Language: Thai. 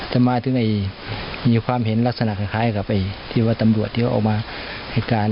จะมาถึงมีความเห็นลักษณะคล้ายกับที่ว่าตำรวจที่เอามาให้การ